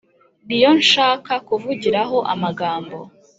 Ni yo nshaka kuvugiraho amagambo.